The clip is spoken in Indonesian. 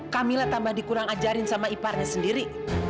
camilla tambah dikurang ajarin sama iparnya sendiri